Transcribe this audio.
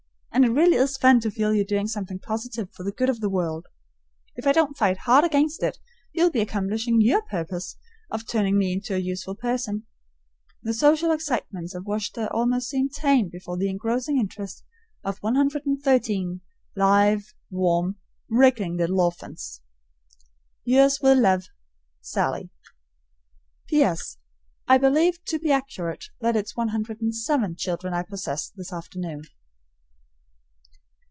And it really is fun to feel you're doing something positive for the good of the world. If I don't fight hard against it, you'll be accomplishing your purpose of turning me into a useful person. The social excitements of Worcester almost seem tame before the engrossing interest of 113 live, warm, wriggling little orphans. Yours with love, SALLIE. P.S. I believe, to be accurate, that it's 107 children I possess this afternoon.